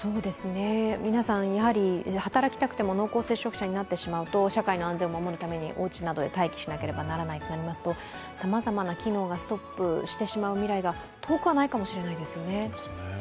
皆さん、働きたくても濃厚接触者になってしまうと社会の安全を守るために、おうちなどで待機しなければならないとなりますとさまざまな機能がストップしてしまう未来が遠くはないかもしれないですね。